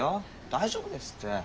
大丈夫ですって。